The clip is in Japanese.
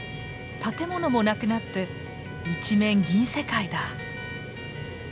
建物もなくなって一面銀世界だ！